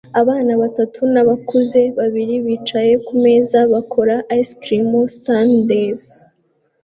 Abana batatu nabakuze babiri bicaye kumeza bakora ice cream sundaes